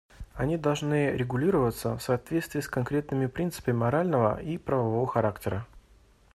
Они должны регулироваться в соответствии с конкретными принципами морального и правового характера.